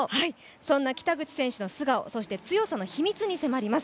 そんな北口選手の素顔、強さの秘密に迫ります。